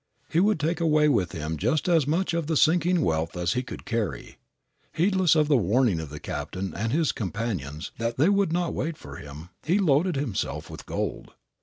He would take away with him just as much of the sinking wealth as he could carry. Heedless of the warning of the captain and his companions that they would not wait for him, he loaded himself with gold.